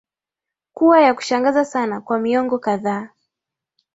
kuwa ya kushangaza sana kwa miongo kadhaa